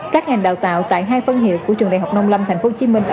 các ngành đào tạo tại hai phân hiệu của trường đại học nông lâm tp hcm ở gia lai và ninh quận